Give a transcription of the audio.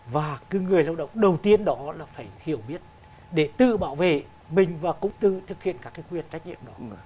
và cái người lao động đầu tiên đó là phải hiểu biết để tự bảo vệ mình và cũng tự thực hiện các cái quyền trách nhiệm đó